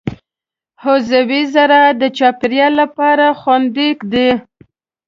عضوي زراعت د چاپېریال لپاره خوندي دی.